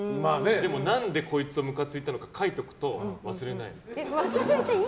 でも何でこいつにムカついたのか書いておくと忘れない。